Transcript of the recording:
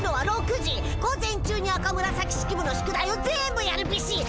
午前中に赤紫式部の宿題を全部やるビシッ！